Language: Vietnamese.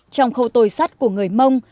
trong khâu tôi sắt của người mông